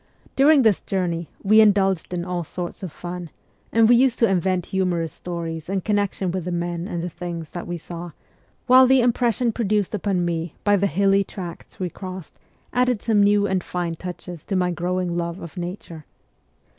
During this journey we indulged in all sorts of fun, and we used to invent humorous stories in connection with the men and the things that we saw; while the impression produced upon me by the hilly tracts we crossed added some new and fine touches to my growing love of nature.